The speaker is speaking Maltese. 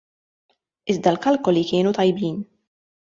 Iżda l-kalkoli kienu tajbin.